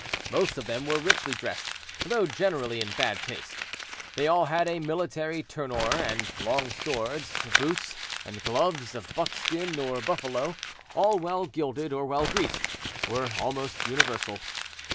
Most of them were richly dressed, though generally in bad taste. They all had a military tournour, and long swords, boots and gloves of buckskin or buffalo, all well gilded or well greased, were almost universal.